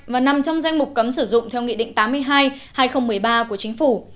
và nằm trong danh mục cấm sử dụng theo nghị định tám mươi hai hai nghìn một mươi ba của chính phủ